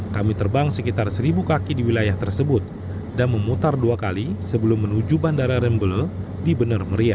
kami terbang sekitar seribu kaki di wilayah tersebut dan memutar dua kali sebelum menuju bandara rembele di benar meriah